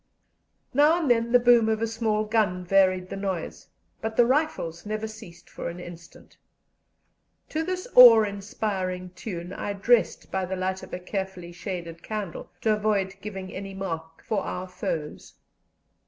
Now and then the boom of a small gun varied the noise, but the rifles never ceased for an instant. To this awe inspiring tune I dressed, by the light of a carefully shaded candle, to avoid giving any mark for our foes.